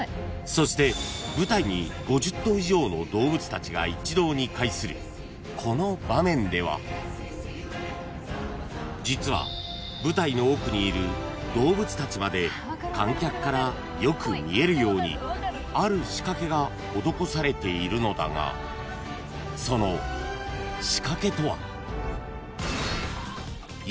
［たちが一堂に会するこの場面では実は舞台の奥にいる動物たちまで観客からよく見えるようにある仕掛けが施されているのだがその仕掛けとは？］